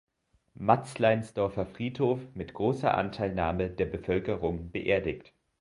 Matzleinsdorfer Friedhof mit großer Anteilnahme der Bevölkerung beerdigt.